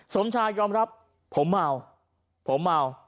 สมชายยอมรับผมเมาผมเมา